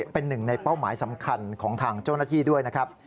เป็นหนึ่งในเป้าหมายสำคัญของทางเจ้าหน้าที่ด้วยนะครับ